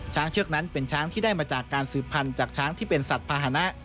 เชือกนั้นเป็นช้างที่ได้มาจากการสืบพันธุ์จากช้างที่เป็นสัตว์ภาษณะ